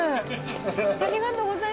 ありがとうございます。